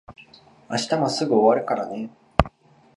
明日もすぐ終わるからね。